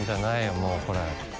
もうこれ。